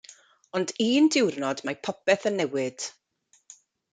Ond un diwrnod mae popeth yn newid.